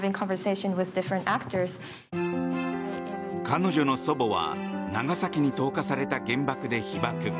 彼女の祖母は長崎に投下された原爆で被爆。